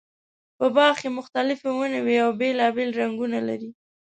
په باغ کې مختلفې ونې وي او بېلابېل رنګونه لري.